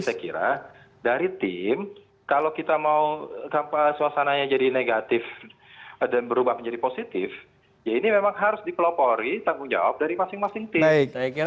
saya kira dari tim kalau kita mau suasananya jadi negatif dan berubah menjadi positif ya ini memang harus dipelopori tanggung jawab dari masing masing tim